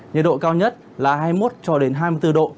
nhiệt độ cao nhất là hai mươi một cho đến hai mươi bốn độ